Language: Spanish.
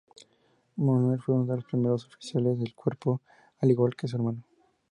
Manuel fue uno de los primeros oficiales del cuerpo, al igual que su hermano.